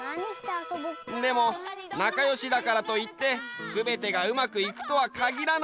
でもなかよしだからといってすべてがうまくいくとはかぎらない。